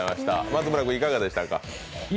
松村君、いかがでしたか？